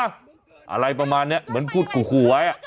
อะไรประมาณนี้เหมือนพูดขู่ไว้